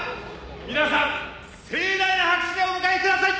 「皆さん盛大な拍手でお迎えください！」